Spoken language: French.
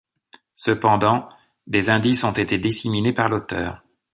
Cependant, des indices ont été disséminés par l'auteur.